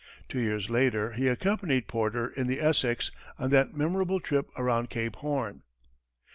Two years later, he accompanied Porter in the Essex on that memorable trip around Cape Horn.